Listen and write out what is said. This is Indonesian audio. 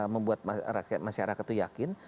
membuat masyarakat itu yakin